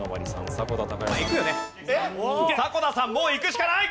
迫田さんもういくしかない！